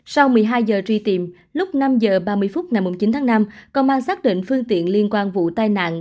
sau một mươi hai giờ truy tìm lúc năm h ba mươi phút ngày chín tháng năm công an xác định phương tiện liên quan vụ tai nạn